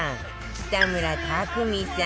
北村匠海さん